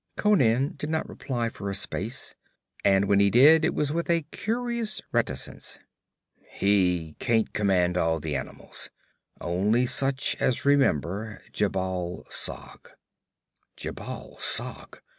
Conan did not reply for a space, and when he did it was with a curious reticence. 'He can't command all the animals. Only such as remember Jhebbal Sag.' 'Jhebbal Sag?'